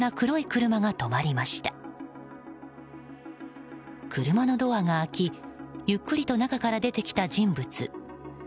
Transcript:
車のドアが開き、ゆっくりと中から出てきた人物。